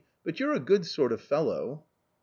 but you're a good sort of fellow !